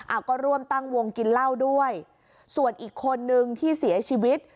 ก็ร่วมตั้งวงกินเหล้าด้วยส่วนอีกคนนึงที่เสียชีวิต